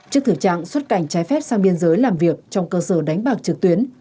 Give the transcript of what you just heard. trước thử trạng xuất cảnh trái phép sang biên giới làm việc trong cơ sở đánh mạc trực tuyến